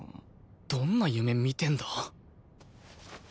どんな夢見てんだ？